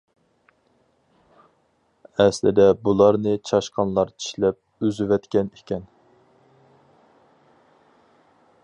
ئەسلىدە بۇلارنى چاشقانلار چىشلەپ ئۈزۈۋەتكەن ئىكەن.